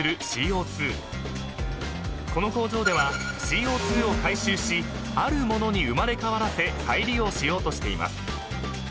［この工場ではＣＯ２を回収しある物に生まれ変わらせ再利用しようとしています］